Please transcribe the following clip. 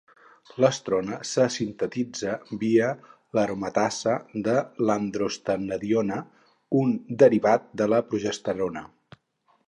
L'estrona se sintetitza via l'aromatasa de l'androstenediona, un derivat de la progesterona.